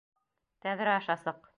Тәҙрә аша сыҡ!